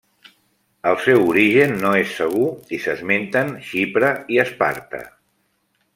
El seu origen no és segur i s'esmenten Xipre i Esparta.